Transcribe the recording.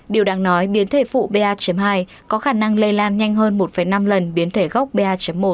điều đáng nói biến thể phụ ba hai có khả năng lây lan nhanh hơn một năm lần biến thể gốc ba một